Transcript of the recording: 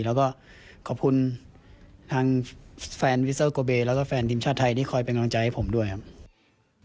และก็ขอบคุณทางแฟนวิสเตอร์โกเบเพื่องักษาไทยที่คอยเป็นกำลังใจให้ผมด้วยครับ